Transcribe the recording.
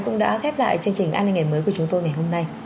cũng đã khép lại chương trình an ninh ngày mới của chúng tôi ngày hôm nay